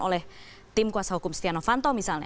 oleh tim kuasa umum